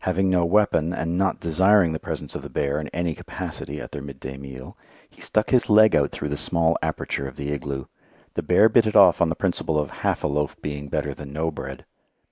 Having no weapon, and not desiring the presence of the bear in any capacity at their midday meal, he stuck his leg out through the small aperture of the igloo. The bear bit it off on the principle of half a loaf being better than no bread.